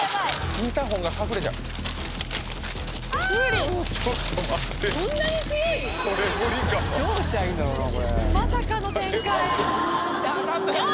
インターホンが隠れちゃうちょっと待ってこれ無理かもどうしたらいいんだろうな？